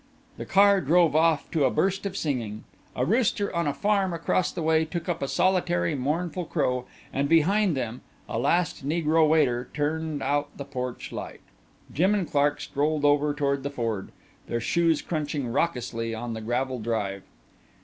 The car drove off to a burst of singing. A rooster on a farm across the way took up a solitary mournful crow, and behind them, a last negro waiter turned out the porch light. Jim and Clark strolled over toward the Ford, their shoes crunching raucously on the gravel drive.